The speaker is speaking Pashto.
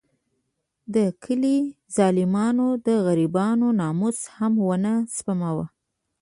د کلي ظالمانو د غریبانو ناموس هم ونه سپماوه.